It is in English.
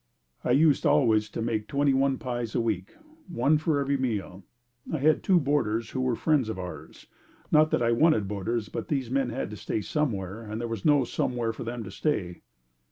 I used always to make twenty one pies a week. One for every meal. I had two boarders who were friends of ours. Not that I wanted boarders, but these men had to stay somewhere and there was no somewhere for them to stay.